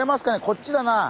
こっちだなあ。